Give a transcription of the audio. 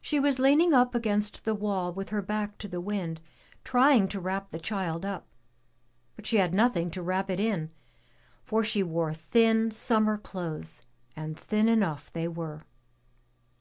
She was leaning up against the wall with her back to the wind, trying to wrap the child up, but she had nothing to wrap it in, for she wore thin, summer clothes, and thin enough they were.